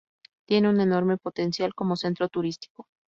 Tiene un enorme potencial como centro turístico.